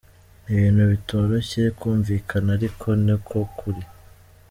Ibintu bitoroshye kumvikana ariko ni kwo kuri.